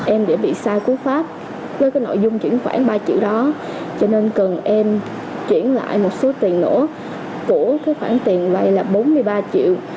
em đã bị sai cú pháp với cái nội dung chuyển khoản ba triệu đó cho nên cần em chuyển lại một số tiền nữa của cái khoản tiền vay là bốn mươi ba triệu